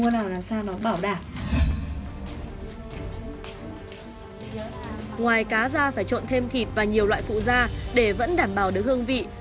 ngoài cá ra phải trộn thêm thịt và nhiều loại phụ gia để vẫn đảm bảo được hương vị